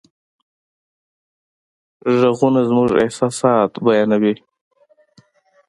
غږونه زموږ احساسات بیانوي.